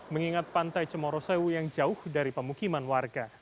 mengingat pantai cemorosewu yang jauh dari pemukiman warga